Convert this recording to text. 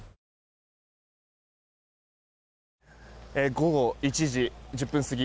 午後１時１０分過ぎ